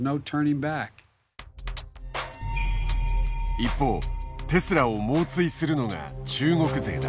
一方テスラを猛追するのが中国勢だ。